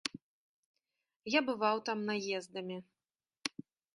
Я бываў там наездамі.